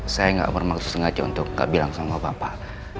saya nggak bermaksud sengaja untuk gak bilang sama bapak